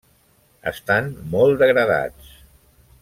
Estan molt degradats.